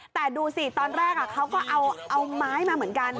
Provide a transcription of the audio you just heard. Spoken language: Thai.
แต่ดูสิตอนแรกเขาก็เอาไม้มาเหมือนกัน